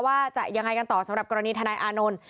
ว่าจะยังไงกันต่อสำหรับกรณีทนายอานนท์